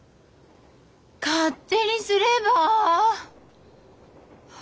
勝手にすれば。